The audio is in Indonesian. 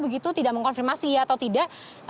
begitu tidak mengkonfirmasi atau tidak